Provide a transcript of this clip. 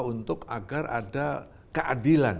untuk agar ada keadilan